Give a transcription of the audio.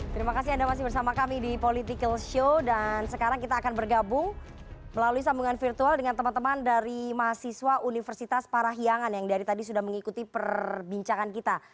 terima kasih anda masih bersama kami di political show dan sekarang kita akan bergabung melalui sambungan virtual dengan teman teman dari mahasiswa universitas parahiangan yang dari tadi sudah mengikuti perbincangan kita